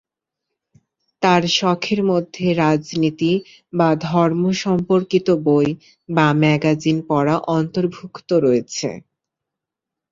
তার শখের মধ্যে রাজনীতি বা ধর্ম সম্পর্কিত বই বা ম্যাগাজিন পড়া অন্তর্ভুক্ত রয়েছে।